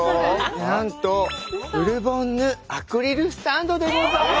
なんとブルボンヌアクリルスタンドでございます！